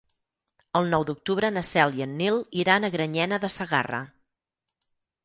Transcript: El nou d'octubre na Cel i en Nil iran a Granyena de Segarra.